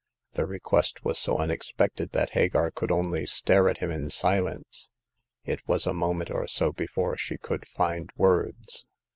The request was so unexpected that Hagar could only stare at him in silence. It was a moment or so be fore she could find words.